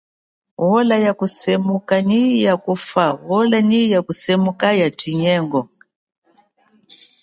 Ola ya kusemuka nyi ola ya kufa ola ya chiseke nyi ola ya tshinyengo.